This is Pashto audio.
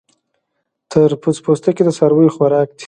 د تربوز پوستکی د څارویو خوراک دی.